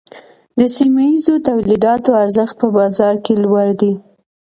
د سیمه ییزو تولیداتو ارزښت په بازار کې لوړ دی۔